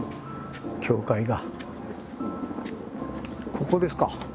ここですか？